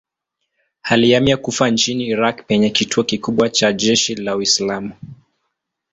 Alihamia Kufa nchini Irak penye kituo kikubwa cha jeshi la Uislamu.